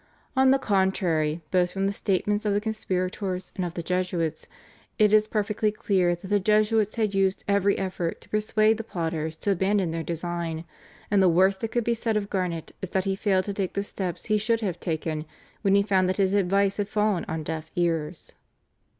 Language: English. On the contrary, both from the statements of the conspirators and of the Jesuits, it is perfectly clear that the Jesuits had used every effort to persuade the plotters to abandon their design, and the worst that could be said of Garnet is that he failed to take the steps he should have taken when he found that his advice had fallen on deaf ears.